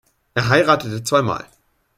Er heiratete zwei Mal.